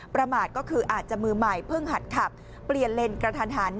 ประมาทก็คืออาจจะมือใหม่เพิ่งหัดขับเปลี่ยนเลนกระทันหัน